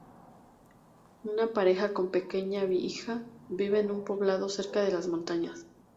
Una pareja con su pequeña hija viven en un poblado cerca de las montañas.